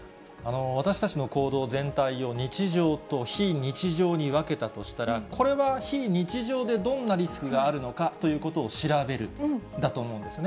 私たちの行動全体を、日常と非日常に分けたとしたら、これは非日常で、どんなリスクがあるのかということを調べるんだと思うんですね。